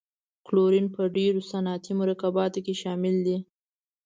کلورین په ډیرو صنعتي مرکباتو کې شامل دی.